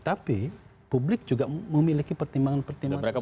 tapi publik juga memiliki pertimbangan pertimbangan